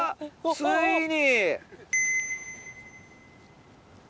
ついに！